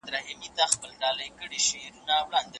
منلي دلایل کولای سي ستاسو څېړنه باوري کړي.